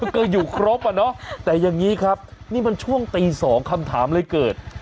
ก็อยู่ครบอ่ะเนอะแต่อย่างนี้ครับนี่มันช่วงตี๒คำถามเลยเกิด